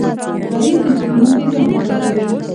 غریب د زړونو ښیګڼه خوښوي